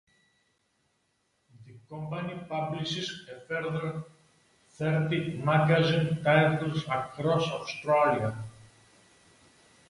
The company publishes a further thirty magazine titles across Australia.